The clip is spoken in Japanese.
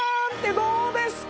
どうですか？